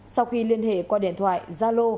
sau khi liên hệ qua điện thoại gia lô